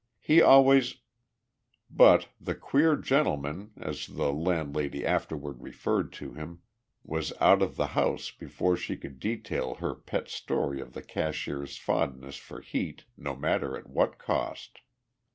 He always " But the "queer gentleman," as the landlady afterward referred to him, was out of the house before she could detail her pet story of the cashier's fondness for heat, no matter at what cost.